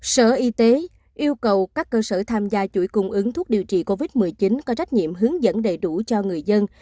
sở y tế yêu cầu các cơ sở tham gia chuỗi cung ứng thuốc điều trị covid một mươi chín có trách nhiệm hướng dẫn đầy đủ cho người dân